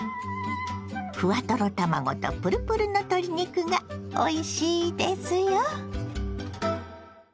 ふわトロ卵とプルプルの鶏肉がおいしいですよ。